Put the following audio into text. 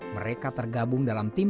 mereka tergabung dalam tim